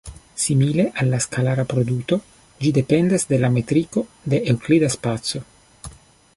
Simile al la skalara produto, ĝi dependas de la metriko de eŭklida spaco.